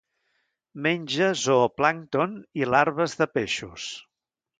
Menja zooplàncton i larves de peixos.